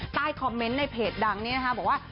ใต้คอมเมนต์ในเพจดังนี้นะคะบอกว่า